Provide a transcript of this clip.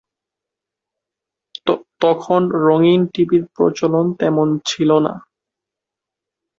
তখন রঙিন টিভির প্রচলন তেমন ছিল না।